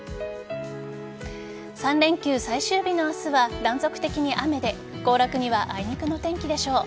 ３連休最終日の明日は断続的に雨で行楽にはあいにくの天気でしょう。